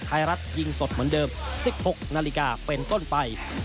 ไทยรัฐยิงสดเหมือนเดิม๑๖นาฬิกาเป็นต้นไป